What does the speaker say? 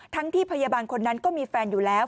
ที่พยาบาลคนนั้นก็มีแฟนอยู่แล้ว